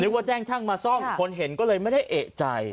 ว่าแจ้งช่างมาซ่อมคนเห็นก็เลยไม่ได้เอกใจ